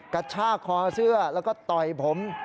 กระชากคอเสื้อแล้วก็ต่อยผม